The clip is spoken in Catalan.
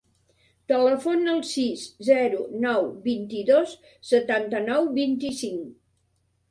Telefona al sis, zero, nou, vint-i-dos, setanta-nou, vint-i-cinc.